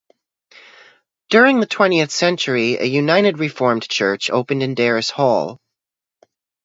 During the twentieth century a United Reformed Church opened in Darras Hall.